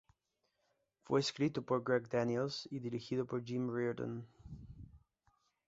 Fue escrito por Greg Daniels y dirigido por Jim Reardon.